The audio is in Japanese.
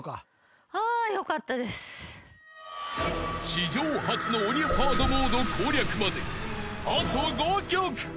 ［史上初の鬼ハードモード攻略まであと５曲］